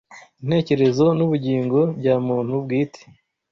intekerezo n’ubugingo bya muntu bwite.